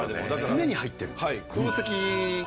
常に入ってる。